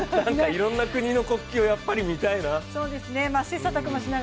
いろんな国の国旗をやっぱり見たいな。